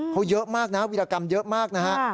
เขาเยอะมากนะวิรากรรมเยอะมากนะฮะ